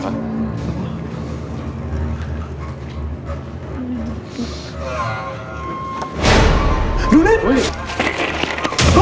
นูนิท